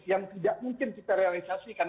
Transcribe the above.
yang tidak mungkin kita realisasikan